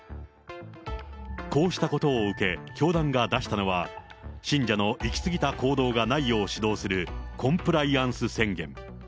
こうしたことを受け、教団が出したのは、信者の行き過ぎた行動がないよう指導する、コンプライアンス宣言。